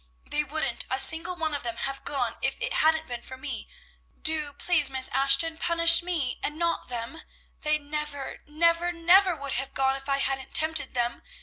They wouldn't a single one of them have gone if it hadn't been for me! Do, please, Miss Ashton, punish me, and not them! They never, never, never would have gone if I hadn't tempted them.